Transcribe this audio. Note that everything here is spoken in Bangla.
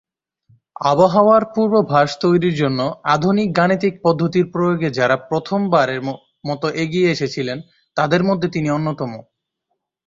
আবহাওয়ার পূর্বাভাস তৈরির জন্য আধুনিক গাণিতিক পদ্ধতির প্রয়োগে যারা প্রথমবারের মত এগিয়ে এসেছিলেন তাদের মধ্যে তিনি অন্যতম।